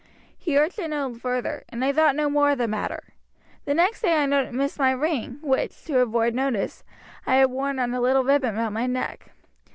He urged it no further, and I thought no more of the matter. The next day I missed my ring, which, to avoid notice, I had worn on a little ribbon round my neck.